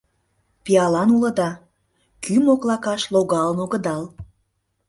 — Пиалан улыда, кӱ моклакаш логалын огыдал.